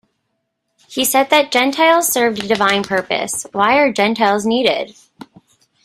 He said that Gentiles served a divine purpose: Why are Gentiles needed?